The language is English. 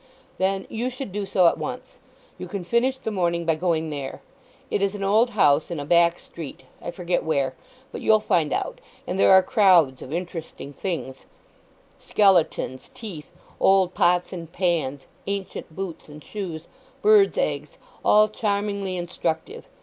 "Then you should do so at once. You can finish the morning by going there. It is an old house in a back street—I forget where—but you'll find out—and there are crowds of interesting things—skeletons, teeth, old pots and pans, ancient boots and shoes, birds' eggs—all charmingly instructive.